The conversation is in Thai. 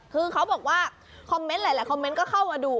คือเขาบอกว่าคอมเมนต์หลายก็เข้ามาดู